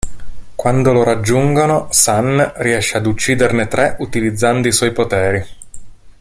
Quando lo raggiungono, San riesce ad ucciderne tre utilizzando i suoi poteri.